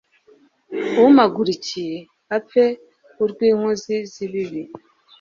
umpagurukiye apfe urw'inkozi z'ibibi